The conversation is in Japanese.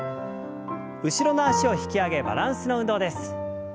後ろの脚を引き上げバランスの運動です。